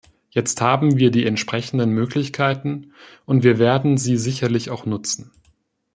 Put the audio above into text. Jetzt haben wir die entsprechenden Möglichkeiten, und wir werden sie sicherlich auch nutzen.